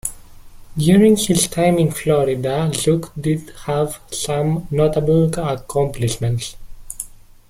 During his time at Florida, Zook did have some notable accomplishments.